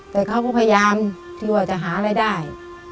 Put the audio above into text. แต่เขาก็พยายามที่ว่าจะหารายได้